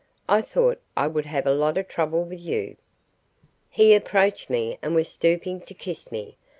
I thought I would have a lot of trouble with you." He approached me and was stooping to kiss me.